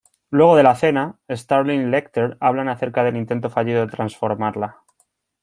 Luego de la cena, Starling y Lecter hablan acerca del intento fallido de transformarla.